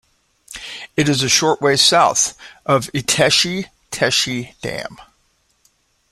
It is a short way south of Itezhi-Tezhi Dam.